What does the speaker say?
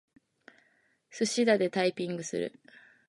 すしだでタイピングする。